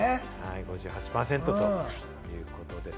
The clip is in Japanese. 反対５８％ということです。